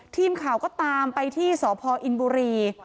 ทีมข่าวก็ตามไปที่สพอินบุรี